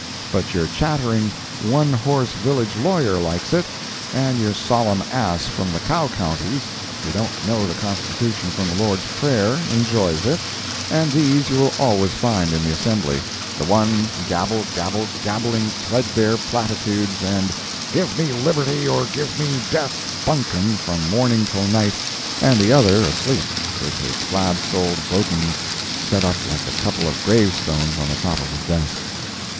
But your chattering, one horse village lawyer likes it, and your solemn ass from the cow counties, who don't know the Constitution from the Lord's Prayer, enjoys it, and these you will always find in the Assembly—the one gabble, gabble, gabbling threadbare platitudes and "give me liberty or give me death" buncombe from morning till night, and the other asleep, with his slab soled brogans set up like a couple of grave stones on the top of his desk.